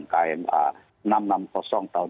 kmh enam ratus enam puluh tahun dua ribu dua puluh satu